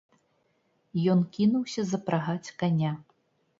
Ён кінуўся запрагаць каня.